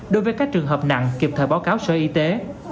đối với các trường hợp nặng kịp thời báo cáo sở y tế